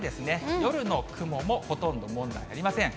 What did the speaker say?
夜の雲もほとんど問題ありません。